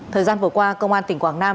thời gian vừa qua công an tỉnh quảng nam